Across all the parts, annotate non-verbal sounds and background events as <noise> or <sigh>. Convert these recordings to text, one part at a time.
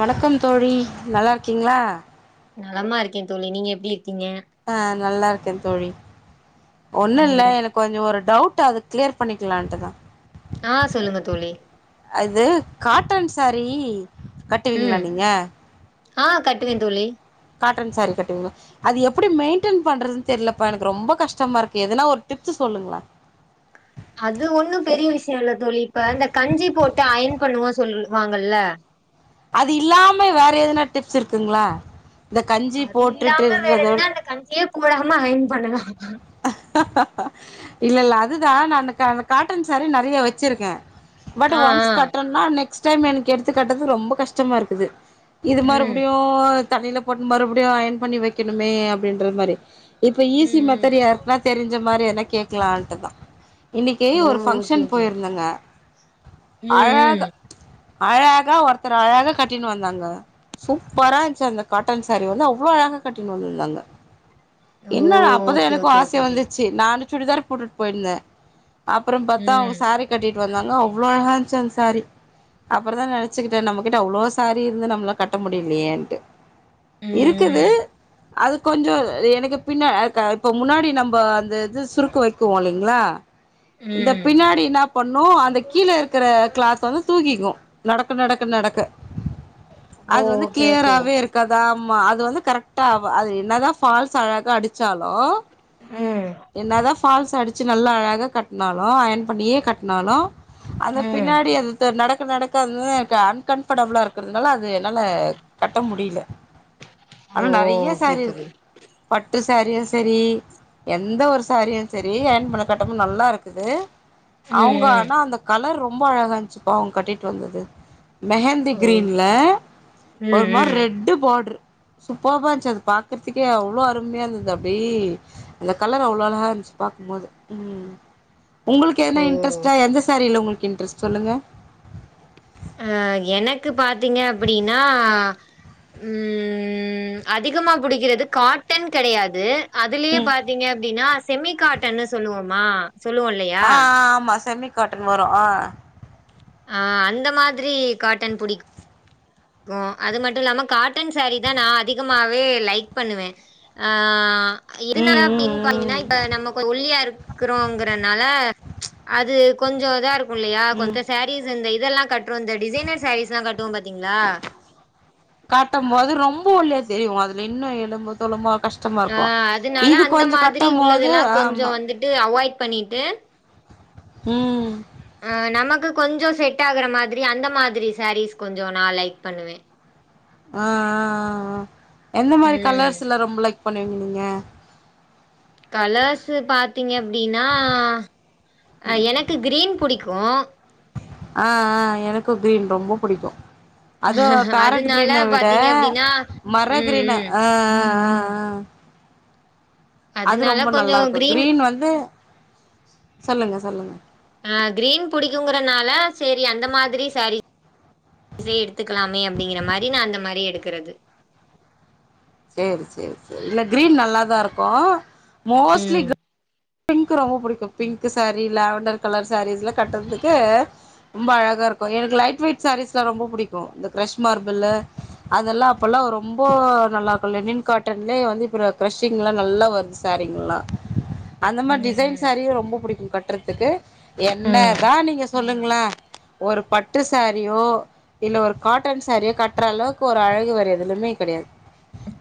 வணக்கம் தோழி நல்லா இருக்கீங்க்ளா நலமா இருக்கே தோழி நீங்க எப்டி க்கீங்க ஆ நல்லா இருக்கே தோழி ஒண்ணு இல்ல ம் எனக் கொஞ்சொ ஒருட் டவுட் அது க்ளியர் பண்ணிக்குலான்ட்டுதா ஆஹ் சொல்லுங்க தோழி அது காட்டன் சாரீ கட்டுவீங்களா நீங்க ஆஹ் கட்டுவே தோலி காட்டன் சாரீ கட்டுவீங்க்ளா அது எப்டி மெயின்டன் பண்றதுன்னு தெரிலப்பா எனக்கு ரொம்ப கஷ்டமா இருக்கு எதனா ஒரு டிப்ஸு சொல்லுங்க்ளே அது ஒன்னு பெரிய விஷயொ இல்ல தோழி இப்ப இந்த கஞ்சி போட்டு அயன் பண்ணுவோ சொல்லுவாங்கல்ல அது இல்லாம வேற எதுனா டிப்ஸ் இருக்குங்க்ளா இல்ல கஞ்சி போட்டுட்டு இதுல தா வு கூடாம அயன் பண்ணலா இல்ல இல்ல அதுதா நா அந்த கா காட்டன் சாரீ நெறையா வெச்சுருக்கே பட் ஆ ஒன்ஸ் ஆ கட்டனா நெக்ஸ் டைம் எனக்கு எடுத்துக்கட்டற்து ரொம்ப கஷ்டமா இருக்குது இது ம் மறுபுடியூ தண்ணில போட்டு மறுபடியு அயன் பண்ணி வைக்கணுமே அப்டின்ற மாரி இப்ப ஈசி ம் ம் மெதர்யாருக்குனாத் ஞ்ச மாரி என்னா கேக்லான்ட்டுதா இன்னிக்கு ஓ ஒரு ஓகே ஃபங்க்ஷன் ஓகே போயிருந்தேங்க ம் ம் அழாக அழகா ஒருத்தர் அழகா கட்டின்னு வந்தாங்க சூப்பரா இருந்ச்சு அந்த காட்டன் சாரி வந்து அவ்ளோ அழகா கட்டின்னு வந்துருந்தாங்க ஓ என்ன அப்பதா ஓகே எனக்கு ஓகே ஆச் ஓகே கு ஓகே வந்துச்சு நானு சுடிதார் போட்டுட்டு போயிருந்தே அப்புறொ பாத்தா ம் அவுங் சாரி கட்டிட் வந்தாங்க அவ்ளோ அழகா இருந்ச்சு அந்த சாரி அப்புறதா நெனச்சுக்குட்டே நம்ம கிட்ட அவ்ளோ சாரி இருந்து நம்மளா கட்ட முடிலியேன்ட்டு இருக்குது ம் அது கொஞ்சோ எனக்கு பின்னா ஆ க இப்போ முன்னாடி நம் இப்போ அந்த இது சுருக்கு வைக்குவோல்லிங்ளா ம் இந்த ம் பின்னாடி என்ன பண்ணூ அந்த கீழே இருக்ற கிளாத் வந்து தூக்கிக்கூ நடக்க நடக்க நடக்க ஓ அது வந்து ஓகே ஓகே கிளியராவே இருக்காதா ம்மா அது வந்து கரட்டா அது என்னதா ஃபால்ஸ் அழகா அடிச்சாலூ ம் என்னாதா ஃபால்ஸ் அடிச்சு நல்லா அழகா கட்னாலூ அயன் பண்ணியே கட்னாலூ அந்த ம் பின்னாடி அந்த நடக் நடக்க நடக்க அந்து க அன்கம்ஃபர்டபுளா இருக்றதுனால அது என்னால கட்ட முடில ஆனா ஓ நெறைய ஓகே சாரீ இருக்கு தோழி பட் டு சேரியு செரி எந்த ஒரு சாரியு செரி அயன் பண்ண கட்டமூ நல்லா இருக்குது ம் அவங்க ம் ஆனா அந்த கலர் ரொம் ரொம்ப அழகா இருந்ச்சுப்பா அவ்ங் கட்டிட் வந்தது மெஹந்தி ஓ கிரீன்ல ம் ஒருமாரி ம் ரெட்டு பாட்ரு சூப்பப்பா இன்ச்சு அது பாக்றதுக்கே அவ்ளோ அருமையா இருந்தது அப்டீ அந்த கலர் அவ்ளோ அழகா இருன்ச்சிப்பா பாக்கும் போது ம் உங்ளுக்கு ஓ எதன இன்ட்ரஸ்டா எந்த சேரில உங்ளுக் இன்ட்ரெஸ்ட் சொல்லுங்க ஆ எனக்கு பாத்தீங்க அப்டின்னா ம் அதிகமா புடிக்றது காட்டன் கெடையாது அதுலே ம் பாத்தீங்க அப்டின்னாஸ் செமிகாட்டன்னு சொல்லுவோமா சொல்லுவோ இல்லையா ஆ ஆ ஆமா செமி காட்டன் வரு ஆ ஆ அந்த மாதிரி காட்டன் புடிக்கு கா அது மட்டூ இல்லாம காட்டன் சேரி தா நா அதிகமாவே லைக் பண்ணுவே ஆ ம் இருந்தாலா பின் ம் பாத்தீங்கன்னா இப்ப நம்ம கொ ஒல்லியா இருக்குறோங்கறனால அது கொஞ்சோதா இருக் முல்லயா ம் ம் கொந்த சேரீஸ் இந்த இதெல்லா கட்றோ இந்த டிசைனர் சேரீஸ்ல்லா கட்டுவோ பாத்தீங் ந்தா காட்டம் போது ரொம்ப ஒல்லியா தெரிவோ அதுல இன்னு எலும்பூ தோலுமா ஆ அதுனால அந்த மாதிரி கட்டும் போது உள்ளதெல்லா கொஞ்சோ ஆமா வந்திட்டு அவாய்ட் பண்ணீட்டு ம் ஆ நமக்கு கொஞ்சோ செட் ஆகுற மாதிரி அந்த மாதிரி சேரீஸ் கொஞ்சோ நா லைக் பண்ணுவே ஆ ஆ ஆ ஆ எந்த மாரி ம் கலர்ஸ்ல்லா ரொம்ப லைக் பண்ணுவீங்க நீீங்க கலர்ஸ் பாத்தீங்க அப்டின்னா ஆ எனக்கு கிரீன் புடிக்கு ஓ ஆ ஆ எனக்கு கிரீன் ரொம்ப புடிக்கு அதுவு பேரட் அதனால கிரீன விட பாத்தீங்க அப்டின்னா மர ம் கிரீன் ஆ ம் ஆ ஆ ஆ அது அதனால ரொம்ப கொஞ்சோ நல்லாருக்கு கிரீன் வந்து சொல்லுங்க சொல்லுங்க ஆ கிரீன் புடிக்குங்கறனால சேரி அந்த மாதிரி சேரீ இதயே எடுத்துக்கலாமே அப்டிங்கிற மாரி நா அந்த மாரி எடு இருக்குறது சேரி சேரி சேரி இல்ல கிரீன் நல்லாதா இருக்கு மோஸ்ட்லி ம் பிங்க் ரொம்ப படிக்கும் pink sari lavender colour saris எல்லாம் கட்டுறதுக்கு ரொம்ப அழகா இருக்கும் எனக்கு லைட் வெயிட் சாரீஸ் எல்லாம் ரொம்ப பிடிக்கும் இந்த கிரஷ் மார்பில்ல அதெல்லாம் அப்பல்லாம் ரொம்ப நல்லா இருக்கும் லெனின் காட்டன்லயே வந்து இப்புறம் கிரஷிங் எல்லாம் நல்லா வருது சாரீங்கல்லாம் அந்த மாதிரி டிைன் ம் சாரி ரொம்ப புடிக் கட்டுறதுக்கு ம் ம் என்னதான் நீங்க சொல்லுங்களா ஒரு பட்டு சாரியோ இல்ல ஒரு காட்டன் சாரியோ கட்டுற அளவுக்கு ஒரு அழகு வேர எதுலயுமே கிடையாது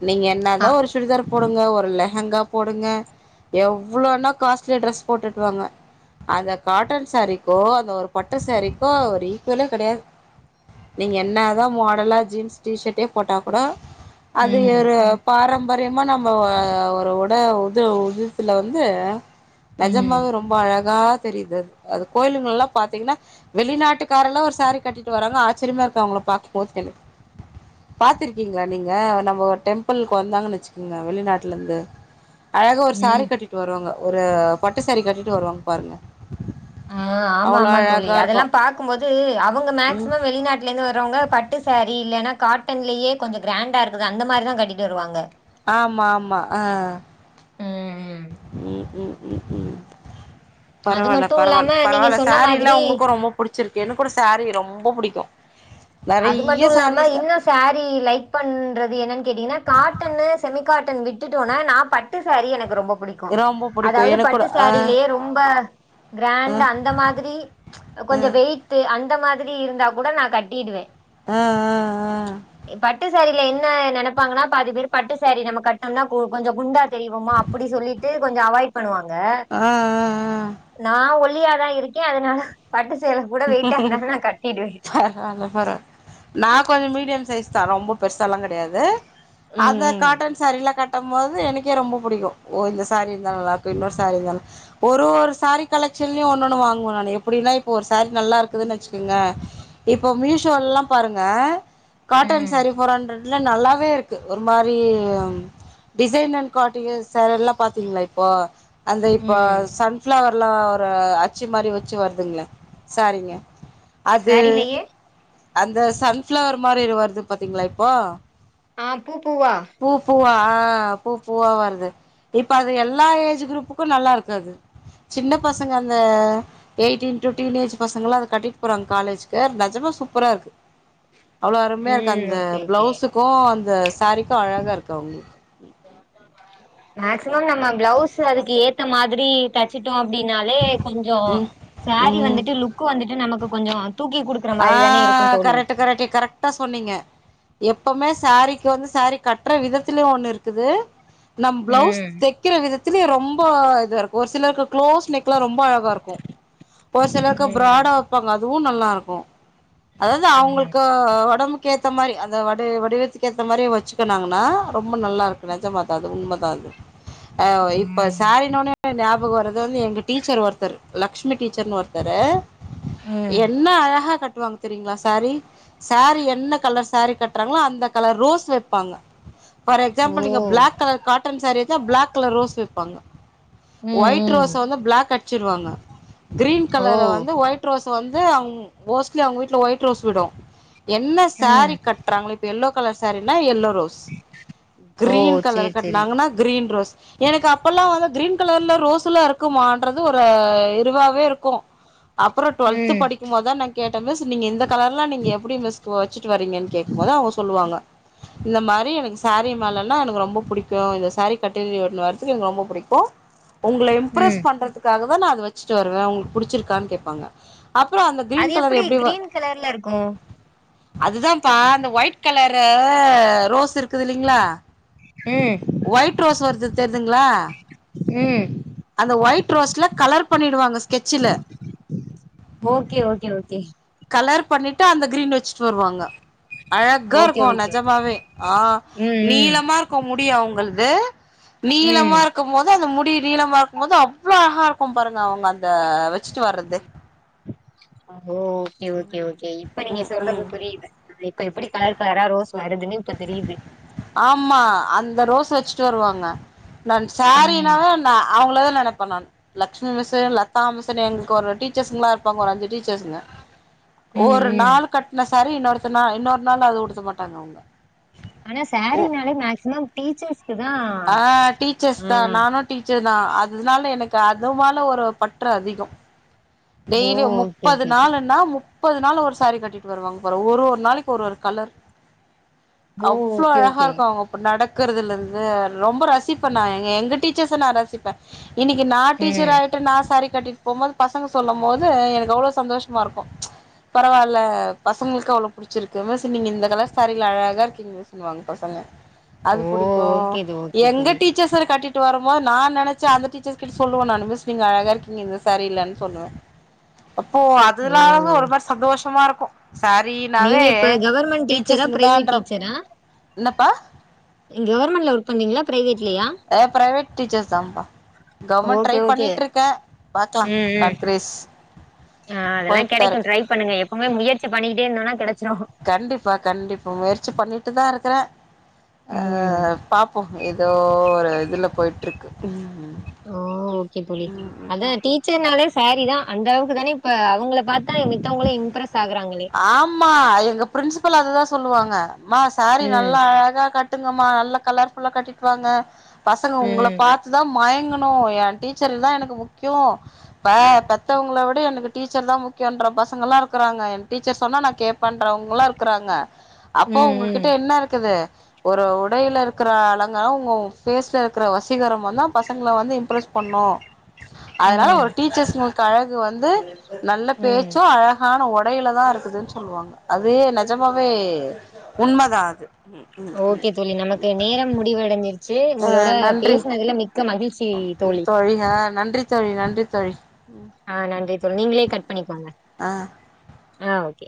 நீங்க ஆ என்னாதான் ஒரு சுடிதார் போடுங்க ஒருர்ல ஹங்கா போடுங்க எவ் இவ்வளோனா காஸ்ட்லி ட்ரெஸ் போட்டுட்டு வாாங்க அந்த காட்டன் சாரிக்கோ அந்த ஒரு பட்டுை சாரிக்கோ ஒரு ஈக்குவலே கெடையாது நீங்கள் என்னதா மாடலா ஜீன்ஸ் டீஷர்ட்டே போட்டால் கூட அது ம் ஒரு பாரம் ம்பரியமா நம்ம ஒரு உட உத உதத்துல வந்து ம் நெஜமாவே ரொம்ப அழகா அகா தெரியு அது அது கோயிலுங்க எல்லாம் பாத்தீங்கன்னா வெளிநாட்டுக்காரல எல்லாம் ஒரு சாரி கட்டிட்டு வராாங்க ஆச்சரியமா இருக்க அவங்கள பாார்க்கும் போது க பாத்துருக்கீங்க நீங்க நம்ம டெம்பிளக்கு வந்தாங்கன்னு வச்சுக்கோங்க வெளிநாட்டுல இருந்து அழக ஒரு சாரி ம் கட்டிட்டு ஒரு பட்டுசாரி கட்டிட்டு வருவாங்க பாருங்க ஆஹ் ஆமா அவ்வளோ ஆமா தொழி அழகா இருக்கும் அதெல்லாம் பாார்க்கும்போது அவங்க ம் மேக்சிமம் வெளிநாட்டுல இருந்து வர்றவங்க பட்டு சாரி இல்லைன்னா கா ட்டன்லயே கொஞ்சோ கிராண்டா இருக்கு அந்த மாரி தான் கட்டிட்டு வருவாங்க ஆமா ஆமா ஆஹ் ம் அது பரவாயில்ல மட்டு பரவாயில்ல இல்லாம நீங்க பரவாயில்ல சொன்ன செரி லாம் மாதிரி உங்களுக்கும் ரொம்ப புடிச்சிருக்கு எனக்கு கூட சாரீ ரொம்ப பிடிக்கும் அது மட்டும் இல்லாம இன்னும் சாரி லைக் பண்றது என்னன்ன கேட்டீங்கன்னா காட்டன் செமிகாட்டன் விட்டுட்டோன நா பட்டு சாரி எனக்கு ரொம்ப புடிக்கு ரொம்ப புடிக்கு அதாவது எனக்கூட பட்டு ஆ சாரிலேயே ரொம்ப ஆ கிராண்ட் அந்த மாதிரி ஆ கொஞ்சோ வெயிட் அந்த மாதிரி <unintelligible> இருந்தா கூட நா கட்டிடுவே ஆஹ் ஆஹ் ஆஹ் இதுல என்ன நெனைப்பாங்கன்னா பதி பேர் பட்டு சாரி நம்ம கட்டணம்னா கொ கொஞ்சோ குண்டா தெரிவோமா அப்புடி சொல்லிட்டு கொஞ்சோ அவாய்ட் பண்ணுவாங்க ங்க ஆ ஆ நா ஒழி யா தா இருக்கே அதனால பட்டு சேலக் கூட ஆ வெயிட்டா ஆ இருந்தாலுமே நா கட்டிடுவே நான் கொஞ்சோ மீடியம் சைஸ் தா ரொம்ப பெருசால்லா கெடையாது ம் அத ம் காட்டன் சாரில கட் கும் போது எனக்கே ரொம்போ புடிக்கு ஓ இந்த சாரி இருந்த நல்லாக்கு இன்னொரு சாரி இரு ஒரு ஒரு சாரி கலெக்ஷன்லியு ஒன்னொன்னு வாங்குவ நானு எப்புடினா இப்ப சாரி நல்லா இருக்குதுன்னு வச்சுக்கேங்ளா இப்போ மீஷோல்லா பாருங்க காட்டன் ம் சாரி போர் ஹண்ட்ரட் இல்ல நல்லாவே இருக்கு ஒரு மாரி டிசைன் அண்ட் காட்டி சேல எல்லா பாத்தீங்களா இப்போ அந்த இப்போ ம் சன்ஃப்ளவர் ல்லா ஒரு அச்சி மாரி வெச்சி வருதுங்ளே சாரிங்க அது சாரிலயே அந்த சன்பிஃளவர் மாரி வருது பாத்தீங்களா இப்போ ஆ பூ பூவா பூ பூவா ஆ பூ பூவா வருது இப்ப அது எல்லா ஏஜ் குரூப்புக்கு நல்லா இருக்குறது சின்ன பசங்க அந்த எயிட்டின் டு டீனேஜ் பசங்களு அத கட்டிட்டு போறாங்க காலேஜுக்கு நஜமா சூப்பராருக்கு அவ்ளோவு அருமையாருக்கு ம் அந்த ஓகே ஓகே பிளவுஸுக்கு அந் இந்த சாரிக்கு அழகா இருக்க அவுங்களுக்கு மேக்சிமம் நம்ம பிளவுஸ் அதுக்கு ஏத்த மாதிரி தைச்சுட்டோ அப்டினாலே கொஞ்சே ம் சாரி ம் வந்துட்டு லுக் வந்துட்டு நமக்கு கொஞ்சோ தூக்கி குடுக்குற ஆ மாரி தானே இருக்கு தோழி கரெக்ட் கரெக்ட் கரெக்டா சொன்னீங்க எப்பமே சாரீக்கு வந்து சாரீ கட்டுற விதத்துலயு ஒண்ணு இருக்குது நம் ப்ளவுஸ் ம் தெக்கிற விதத் இதுத்லியு ரொம்போ இத இருக்கு ஒரு சிலருக்கு க்ளோஸ் நெக்லா ரொம்ப அழகா இருக்கு ஒரு சிலருக்கு ம் பிராடா வைப்பாங்க அதுவு வும் நல்லாருக்கு அதாவது அவங்களுக்கு உடம்புக்கு ஏத்த மாரி அந்த வடி வடிவத்துக்கு ஏத்த மாரி வச்சுக்கனாங்கன்னா ரொம்ப நல்லா இருக்கு நெஜமா தா அது உண்ம தா அது ஆ இப்ப ம் ஸரின்னோனே ஞாபக வரது வந்து எங்க டீச்சர் ஒருத்தரு லக்ஷ்மி டீச்சர்னு ஒருத்தரு ம் ம் என்ன அழகா கட்டுவாங்க தெரியங்களா சாரீ சாரீ என்ன கலர் சாரீ கட்டுறாங்களோ அந்த கலர் ரோஸ் வைப்பாங்க ஃபார் ஓ எக்ஸாம்பிள் நீங்க பிளாக் கலர் காட்டன் சாரீ வச்சா பிளாக் கலர் ரோஸ் வைப்பாங்க ம் ஒயிட் ம் ரோஸ் வந்து பிளாக் அட் வச்சிருவாங்க கிரீன் ஓ கலர வந்து ஒயிட் ரோஸ் வந்து அவங் மோஸ்ட்லி அவங்க வீ்ட்ல ஒயிட் ரோஸ் விடு என்ன ம் சாரீ கட்றாங்களோ இப்ப எல்லோ கலர் சாரீனா எல்லோ ரோஸ் ஓ green colour sari sari கட்னாங்கனா green rose எனக்கு அப்பல்லா வந்து கிரீன் கலர்ல ரோஸெல்லா இருக்குமான்றது ஒரு இருவாவே இருக்கு அப்பற டுவல்த்து ம் படிக்கும் போதா நா கேட்டன்தா சொன்னிங்க எந்த கலர்லா நீங்க எப்டி மிஸ் பூ வெச்சுட்டு வரிங்கன் கேக்கும்போது அவுங்க சொல்லுவாங்க இந்த மாரி எனக்கு சாரி மேலெல்லா எனக்கு ரொம்ப புடிக்கு இந்த சாரி கட்டினு வர்துக்கு எனக்கு ரொம்போ புடிக்கு உங்கள இம்ப்ரெஸ் ம் பண்றதுக்காக அத நா வெச்சிட்டு வருவே உங்ளுக்கு புடிச்சிருக்கானு கேப்பாங்க அப்பற அந்த கிரீன் கலர் எப்படி எப்டி கிரீன் கலர்ல இருக்கு அதுதான்ப்பா அந்த ஒயிட் கலரு ரோஸ் இருக்குது இல்லிங்கிளா ம் ஒயிட் ரோஸ் வர்து தெர்துங்களா ம் அந்த ஒயிட் ரோஸ்ல கலர் பண்ணிடுவாங்க ஸ்கெச்சுல ம் செ கலர் பண்ணிட்டு அந்த கிரீன் வெச்சு சுருவாங்க அழகா ஓகே இருக்கு ஓகே ஓகே நெஜமாவே ஆ ம் ம் நீளமா இருக்கு முடி அவுங்கல்கு வே நீளமா ம் இருக்கு போது அந்த முட் அப்டி நீளமா இருக்கும்போது அவ்ளோ அழகா இருக்கும் பாருங்க அவங்க அத வச்சுட்டு வர்றது ஓ ஓகே ஓகே ஓகே இப்ப நீங்க ம் ம் சொல்றது புரிது இப்ப எப்டி கலர் கலரா ரோஸ் வருதுன்னு இப்ப தெரியிது ஆமா அந்த ரோஸ் வச்சுட்டு வருவாங்க நான் சாரின்னா ம் நா அவங்கள என்ன நெனப்பே நானு லட்சுமி மிஸ்ஷூ லதா மிஸ்ஷூ ன் எங்ளுக் ஒரு டீச்சர்ஸ்ங்லா இருப்பாங்க ஒரு அஞ்சு டீச்சர் <unintelligible> சுங்க ம் ஒரு ம் நாள் கட்ன சேரி இன்னொருத்த நா இன்னோர் நாள் அது உடுத்த மாட்டாங்க அவுங்க சேரினாலே மேக்சிமம் டீச்சர்ஸ் ஆ டீச்சர்ஸ் தா நானு டீச்சர் தா அதுனால எனக் சோ அதுவால ஒரு பற்று அதிகோ ஓ டெய்லியு ஓகே முப்பது ஓகே ஓகே நாளுன்னா முப் முப்பது நாளு ஒரு சாரீ கட்டிட்டு வருவாங்க பாரு ஒரு ஒரு நாளைக்கு ஒரு ஒரு கலர் ஓ அவ்ளோ ஓகே அழகா ஓகே இருக்கு அவங்க இப்ப நட இருக்கறதுலருந்து ரொம்ப ரசிப்ப நா எங்க டீச்சர்ஸ நா ரசிப்பே இன்னைக்கு நா டீச்சர் ம் ஆயிட்டு நா சாரி கட்டி போம்போது பஸ் பசங்க சொல்லு போது எனக்கு அவ்ளோ சந்தோஷமா இருக்கு பரவாயில்ல பசங்களுக்கு அவ்ளோ புடிச்சிருக்கு மிஸ் நீங்க இந்த கலர் ஸேரியில அழகா இருக்கீங்க மிஸ்ன்வாங்க பசங்க அது ஓ புடிக்கு ஓகே தோழி ஓகே எங்க தோழி டீச்சர்ஸ்ர கட்டிட்டு ட்டு வரும்போது நா நெனைச்ச அந்த டீச்சர்ஸ் கிட்ட சொல்லுவோனு மிஸ் நீங்க அழகா இருக்கீங்க இந்த சாரியிலனு சொல்லுவ அப்போ ஓ அதுலாது ஒரு மாரி சந்தோஷமா இரு சாரினாவே நீங்க இப்ப கவர்மெண்ட் டீச்சரா பிரைவேட் டீச்சர்ஸ்ங்கதான்ற டீச்சரா என்னப்பா கவர்மெண்ட்ல ஒர்க் பண்றீங்களா பிரைவேட்லயா ஏ பிரைவேட் டீச்சர்ஸ் தான்பா கவர்மெண்ட் ட்ரை ஓகே ஓகே பண்ணிட்டு இருக்கே பாக்கலா ம் ம் சர்ப்ரிஸ் ஆ அதெல்லா கெடைக்கு ட்ரை பண்ணுங்க எப் முயற்சி பண்ணியிட்டே இருந்தோனா கெடச் கண்டிப்பா கண்டிப்பா முயற்சி பண்ணிட்டு தா இருக்கற ம் அஹ் பாப்போ ஏதோ ஒரு இதுல போயிட்டிருக்கு ஓ ஓகே தோழி அதா டீச்சர்னாலே சேரீதா அந்த அளவுக்கு தானே இப்ப அவங்கள பாத் த்தானே மித்தவங்களே இம்ப்ரஸ் ஆகுறா ஆமா எங்க பிரின்ஸு போல அதுதா சொல்லுவாங்க. மா சாரி ம் நல்லா அழகா கட் ட்டுங்கம்மா நல்லா கலர்ஃபுல்லா கட்டிட்டுவாங்க. பசங்க உங்கள ம் பாத்துதா மயங்கணும் ஏன் டீச்சர்குதான் எனக்கு முக்கியோ இப்ப பெத்தவங்கள விட எனக்கு டீச்சர் தான் முக்கியோன்ற பசங்க ல்லா இருக்குறாங்க என் டீச்சர் சொன்னா நான் கேப்பன்றவங்கள்லா இருக்குறாங்க. அப்போ ம் உங்ககிட்ட ம் என்ன இருக்குது. ஒரு உடையில இருக்குற அலங்காரோ உங்க ஊ ஃபேஸ்ல இருக்கிற வசீகரமும் தான் பசங்கள வந்து இம்ப்ரெஸ் பண்ணூ அதனால ஒரு ம் டீச்சர்ஸ் ங்ளுக் கழகு வந்து நல்ல ம் பேச்சூ அழகான ஒட் டையில தா இருக்குதுன்னு சொல்லுவாங்க அதே நெஜமாவே உண்மதான் அது ஓகே தோழி நமக்கு நேரம் முடிவடைஞ்சிருச்சு அ உங்களோட நன்றி பேசுனதுல மிக்க மகிழ்ச்சி ஈ தோழி அ நன்றி தோழி நன்றி தோழி ஆ நன்றி தோழி நீங்களே கட் பண்ணிக்கோங்க. ஆ ஆ ஓகே.